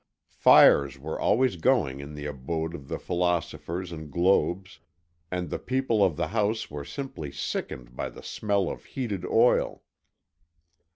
Fires were always going in the abode of the philosophers and globes, and the people of the house were simply sickened by the smell of heated oil.